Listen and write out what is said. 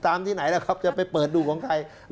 ที่ไหนล่ะครับจะไปเปิดดูของใคร